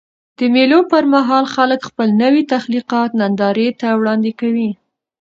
د مېلو پر مهال خلک خپل نوي تخلیقات نندارې ته وړاندي کوي.